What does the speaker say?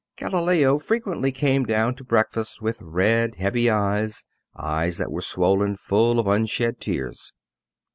Galileo frequently came down to breakfast with red, heavy eyes, eyes that were swollen full of unshed tears.